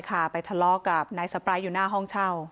ค่ะไปทะเลาะกับนายสปายอยู่หน้าห้องเช่า